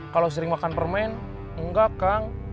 kalau sering makan permen enggak kang